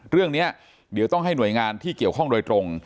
เรื่องนี้เดี๋ยวต้องให้หน่วยงานที่เกี่ยวข้องโดยตรง